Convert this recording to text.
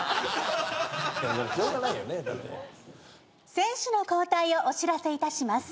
選手の交代をお知らせいたします。